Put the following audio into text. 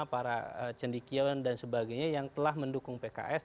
para cendikiawan dan sebagainya yang telah mendukung pks